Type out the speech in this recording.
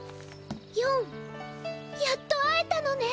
「ヨンやっと会えたのね」。